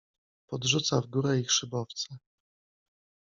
Podrzuca w górę ich szybowce.